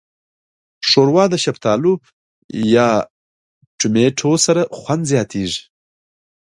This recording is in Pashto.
ښوروا د شفتالو یا ټماټو سره خوند زیاتیږي.